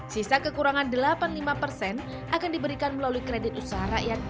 sisa kekurangan delapan puluh lima persen akan diberikan melalui kredit usaha rakyat